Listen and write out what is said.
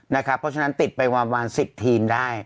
เพราะฉะนั้นติดไปประมาณ๑๐ทีมได้